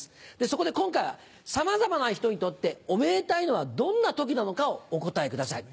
そこで今回はさまざまな人にとっておめでたいのはどんな時なのかをお答えください。